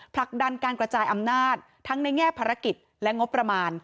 ผลักดันการกระจายอำนาจทั้งในแง่ภารกิจและงบประมาณ